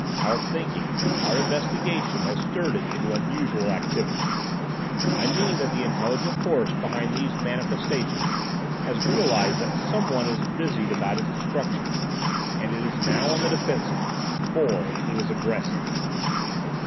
Our thinking, our investigation, has stirred it into unusual activity. I mean that the intelligent force behind these manifestations has realised that some one is busied about its destruction. And it is now on the defensive: more, it is aggressive."